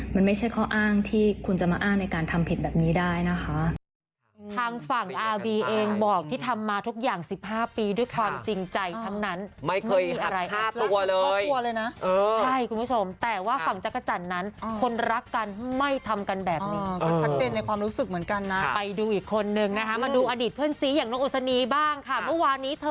มันไม่ใช่ข้ออ้างที่คุณจะมาอ้างในการทำผิดแบบนี้ได้นะคะ